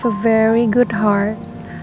kamu punya hati yang sangat baik